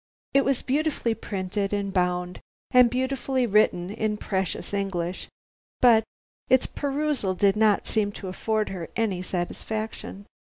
It was beautifully printed and bound, and beautifully written in "precious" English, but its perusal did not seem to afford her any satisfaction.